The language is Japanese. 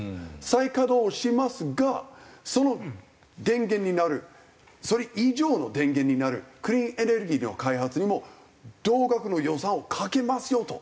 再稼働しますがその電源になるそれ以上の電源になるクリーンエネルギーの開発にも同額の予算をかけますよと。